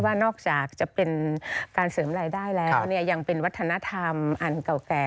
นอกจากจะเป็นการเสริมรายได้แล้วยังเป็นวัฒนธรรมอันเก่าแก่